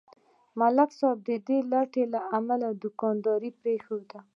ملک صاحب د لټۍ له امله دوکانداري پرېښوده.